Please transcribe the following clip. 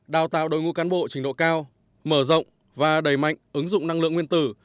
đào tạo đội ngũ cán bộ trình độ cao mở rộng và đẩy mạnh ứng dụng năng lượng nguyên tử